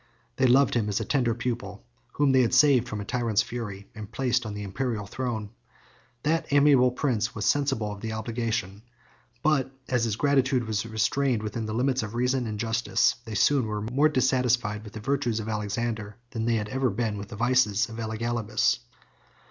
They loved him as a tender pupil, whom they had saved from a tyrant's fury, and placed on the Imperial throne. That amiable prince was sensible of the obligation; but as his gratitude was restrained within the limits of reason and justice, they soon were more dissatisfied with the virtues of Alexander, than they had ever been with the vices of Elagabalus.